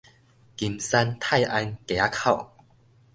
金山泰安街仔口